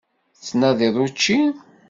Tettnadiḍ učči?